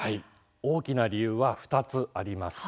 大きな理由は２つあります。